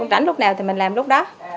rảnh lúc nào thì mình làm lúc đó